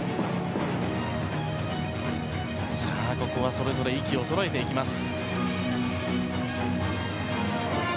それぞれ息をそろえていきます。